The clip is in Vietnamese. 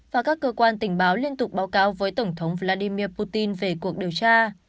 và các cơ quan tình báo liên tục báo cáo với tổng thống vladimir putin về cuộc điều tra